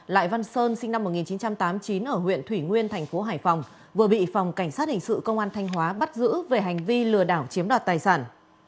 lại văn sơn sinh năm một nghìn chín trăm tám mươi chín ở huyện thủy nguyên thành phố hải phòng vừa bị phòng cảnh sát hình sự công an thanh hóa bắt giữ về hành vi lừa đảo chiếm đoạt tài sản